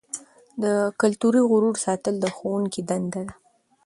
د کلتوري غرور ساتل د ښوونکي دنده ده.